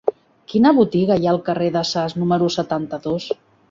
Quina botiga hi ha al carrer de Sas número setanta-dos?